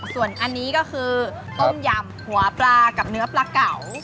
ส่วนอันนี้ก็คือต้มยำหัวปลากับเนื้อปลาเก่า